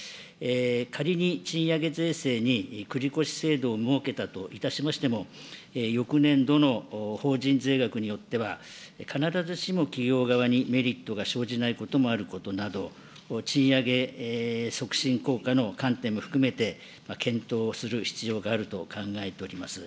仮に賃上げ税制に繰り越し制度を設けたといたしましても、翌年度の法人税額によっては、必ずしも企業側にメリットが生じないこともあることなど、賃上げ促進効果の観点も含めて、検討をする必要があると考えております。